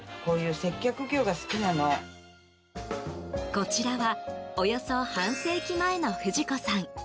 こちらはおよそ半世紀前の不二子さん。